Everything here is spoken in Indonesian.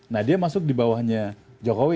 nah dia masuk di bawahnya jokowi